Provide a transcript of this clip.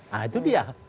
nah itu dia